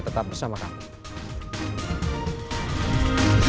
tetap bersama kami